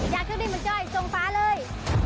อย่าเท่าดีมันจ้อยส่งฝาเลย